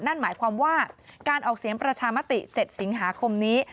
นั่นหมายความว่าการออกเสียงประชามติ๗สิงหาคมนี้